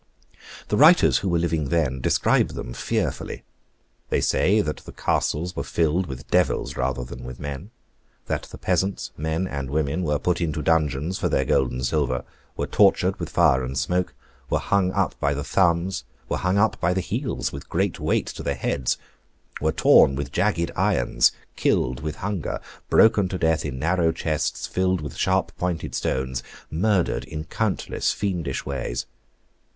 The writers who were living then describe them fearfully. They say that the castles were filled with devils rather than with men; that the peasants, men and women, were put into dungeons for their gold and silver, were tortured with fire and smoke, were hung up by the thumbs, were hung up by the heels with great weights to their heads, were torn with jagged irons, killed with hunger, broken to death in narrow chests filled with sharp pointed stones, murdered in countless fiendish ways.